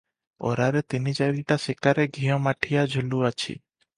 ଓରାରେ ତିନି ଚାରିଟା ଶିକାରେ ଘିଅ ମାଠିଆ ଝୁଲୁଅଛି ।